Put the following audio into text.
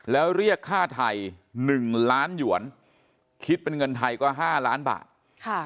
แล้วเรียกค่าไทย๑ล้านหยวนคิดเป็นเงินไทยกว่า๕ล้านบาท